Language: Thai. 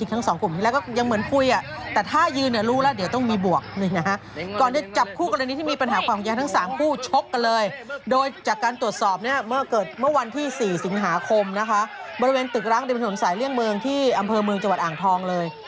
ที่เป็นส่วนสายเลี่ยงเมืองที่อำเภอเมืองจังหวัดอ่างทองเลย